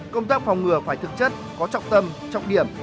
công tác phòng ngừa phải thực chất có trọng tâm trọng điểm